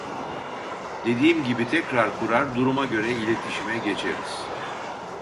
Dediğim gibi tekrar kurar duruma göre iletişime geçeriz